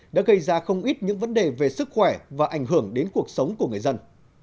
đã gây ra không ít những vấn đề về sức khỏe và ảnh hưởng đến cuộc sống của người dân